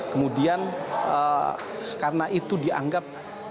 kemudian karena itu dianggap